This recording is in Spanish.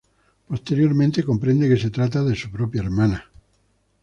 Posteriormente comprende que se trata de su propia hermana.